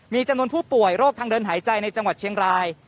มีจำนวนผู้ป่วยโรคทางเดินหายใจในจังหวัดเชียงราย